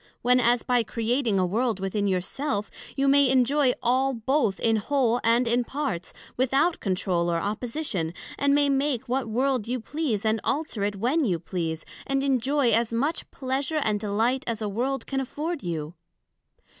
when as by creating a World within your self, you may enjoy all both in whole and in parts, without controle or opposition; and may make what World you please, and alter it when you please, and enjoy as much pleasure and delight as a World can afford you?